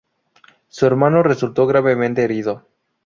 Su hermano resultó gravemente herido.